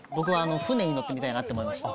舟に乗ってみたいと思いました。